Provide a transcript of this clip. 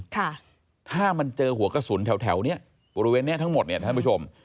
ค่ะถ้ามันเจอหัวกระสุนแถวแถวเนี้ยบริเวณเนี้ยทั้งหมดเนี่ยท่านผู้ชม